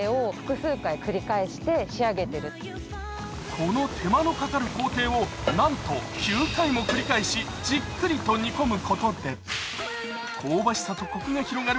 この手間のかかる工程をなんと９回も繰り返しじっくりと煮込むことで香ばしさとこくが広がる